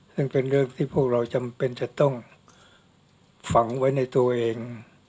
ซึ่งเป็นเรื่องที่พวกเราจำเป็นจะต้องฝังไว้ในตัวเอง